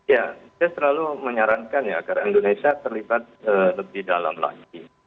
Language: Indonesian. ya saya selalu menyarankan ya agar indonesia terlibat lebih dalam lagi